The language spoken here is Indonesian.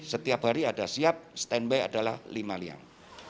setiap hari ada siap standby adalah lima liang